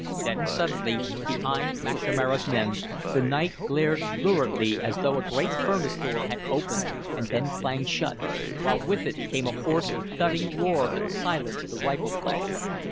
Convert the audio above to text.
Then suddenly, behind McNamara's men, the night glared luridly as though a great furnace door had opened and then clanged shut, while with it came a hoarse thudding roar that silenced the rifle play.